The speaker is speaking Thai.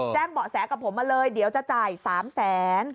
เบาะแสกับผมมาเลยเดี๋ยวจะจ่าย๓แสน